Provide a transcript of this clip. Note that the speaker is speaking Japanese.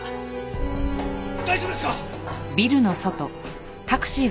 大丈夫ですか！？